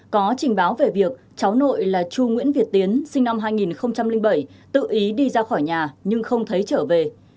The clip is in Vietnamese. có trình báo về việc cháu nội là chu nguyễn việt tiến sinh năm hai nghìn bảy tự ý đi ra khỏi nhà nhưng không thấy trở về